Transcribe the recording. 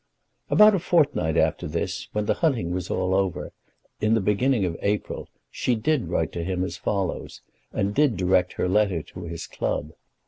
About a fortnight after this, when the hunting was all over, in the beginning of April, she did write to him as follows, and did direct her letter to his club.